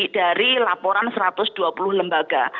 dari laporan satu ratus dua puluh lembaga